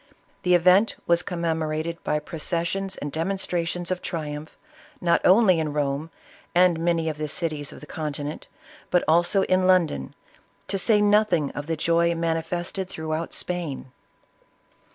The event was com memorated by processions and demonstrations of tri 120 ISABELLA OF CASTILE. umph, not only in Home and many of the cities 01 the continent, but also in London, to say nothing of the joy manifested throughout Spain.